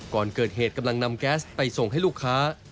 ก่อนเกิดเหตุกำลังนำแก๊สไปส่งให้ลูกค้า